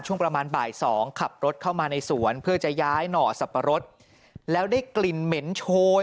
ช่วงประมาณบ่ายสองขับรถเข้ามาในสวนเพื่อจะย้ายหน่อสับปะรดแล้วได้กลิ่นเหม็นโชย